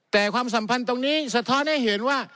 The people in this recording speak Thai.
แต่ความสัมพันธ์ตรงนี้สะท้อนให้เห็นว่า